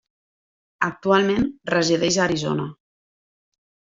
Actualment resideix a Arizona.